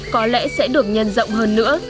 có lẽ sẽ được nhân rộng hơn nữa